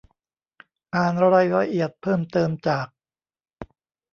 อ่านรายละเอียดเพิ่มเติมจาก